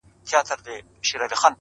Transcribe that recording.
• چي ډېر کسان یې -